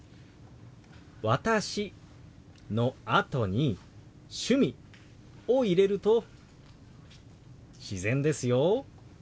「私」のあとに「趣味」を入れると自然ですよ。